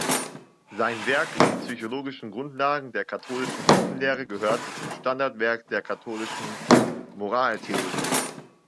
Sein Werk "Die psychologischen Grundlagen der katholischen Sittenlehre" gehörte zum Standardwerk der katholischen Moraltheologie.